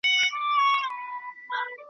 چي شاعر وي چي کتاب وي چي سارنګ وي چي رباب وي .